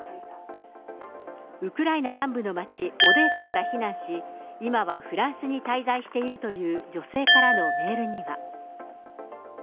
ウクライナ南部の街、オデーサから避難し、今はフランスに滞在しているという女性からのメールには。